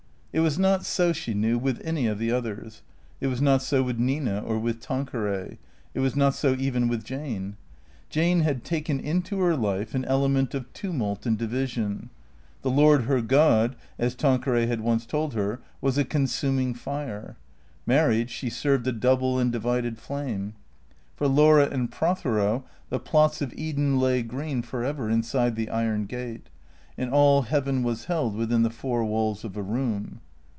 It was not so, she knew, with any of the others. It was not so with Nina or with Tanqueray. It was not so even with Jane. Jane had taken into her life an element of tumult and division. The Lord her God (as Tanqueray had once told her) was a con suming fire. Married she served a double and divided flame. For Laura and Prothero the plots of Eden lay green for. ever inside the iron gate, and all heaven was held within the four walls of a room.